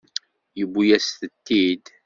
Yewwi-yas-tent-id.